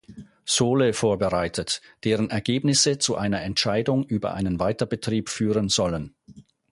Sohle vorbereitet, deren Ergebnisse zu einer Entscheidung über einen Weiterbetrieb führen sollen.